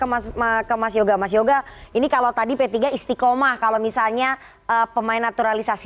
kemas maka masih juga masih juga ini kalau tadi p tiga istiqomah kalau misalnya pemain naturalisasi